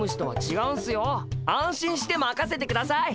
安心してまかせてください。